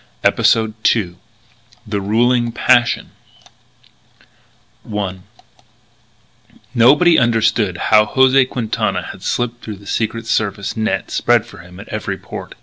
EPISODE TWO THE RULING PASSION I Nobody understood how José Quintana had slipped through the Secret Service net spread for him at every port.